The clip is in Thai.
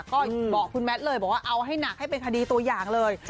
ก็บอกคุณแมทเลยบอกว่าเอาให้หนักให้เป็นคดีตัวอย่างเลย